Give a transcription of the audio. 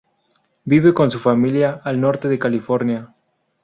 Vive con su familia al norte de California.